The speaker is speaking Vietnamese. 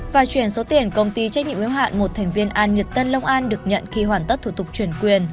và chuyển số tiền công ty trách nhiệm yếu hạn một thành viên an nhật tân long an được nhận khi hoàn tất thủ tục chuyển quyền